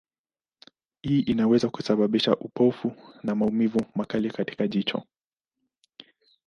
Hii inaweza kusababisha upofu na maumivu makali katika jicho.